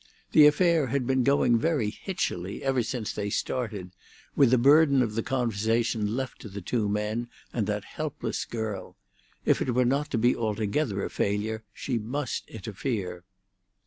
The affair had been going very hitchily ever since they started, with the burden of the conversation left to the two men and that helpless girl; if it were not to be altogether a failure she must interfere.